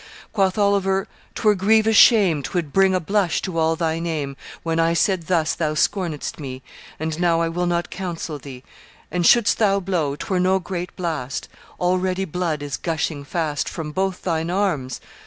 Quoth Oliver, ''Twere grievous shame; 'Twould bring a blush to all thy name When I said thus thou scornedst me, And now I will not counsel thee. And shouldst thou blow, 'twere no great blast; Already blood is gushing fast From both thine arms.